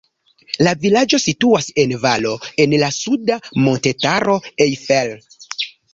La vilaĝo situas en valo en la suda montetaro Eifel.